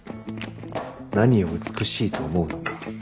何を美しいと思うのか。